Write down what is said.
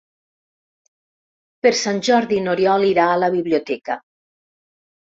Per Sant Jordi n'Oriol irà a la biblioteca.